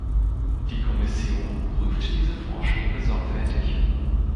Die Kommission prüft diese Vorschläge sorgfältig.